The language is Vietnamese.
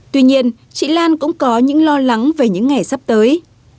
tuy nhiên chị lan cũng có những lo lắng về những ngày sắp tới